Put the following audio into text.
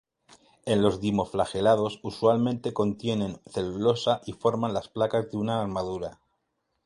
En los dinoflagelados usualmente contienen celulosa y forman las placas de una armadura.